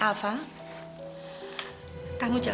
ayo kita datang dulu ibu